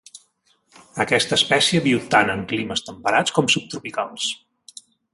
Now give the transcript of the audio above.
Aquesta espècie viu tant en climes temperats com subtropicals.